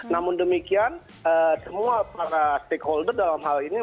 namun demikian semua para stakeholder dalam hal ini